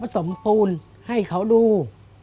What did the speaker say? สมปูนให้เขาดู